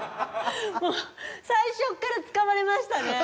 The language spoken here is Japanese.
最初からつかまれましたね。